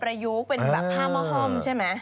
พร้อมใช่ไหม